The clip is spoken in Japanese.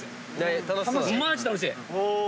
マジ楽しい！